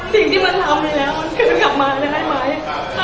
สิ่งที่มันทำอย่างนี้แล้วคือกลับมาได้ไหม